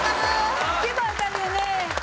聞けばわかるよね。